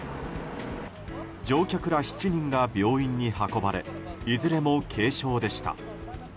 乗客ら７人が病院に運ばれいずれも軽傷でした。